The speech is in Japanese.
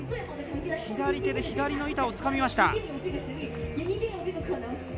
左手で左の板をつかみました。